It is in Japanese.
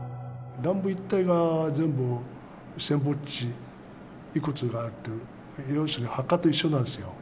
南部一帯が全部戦没地、遺骨があるという、要するに墓と一緒なんですよ。